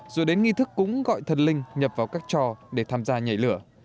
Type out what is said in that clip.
rồi đến nghi thức cũng gọi thần linh nhập vào các trò để tham gia nhảy lửa